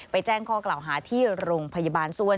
แจ้งข้อกล่าวหาที่โรงพยาบาลส้วน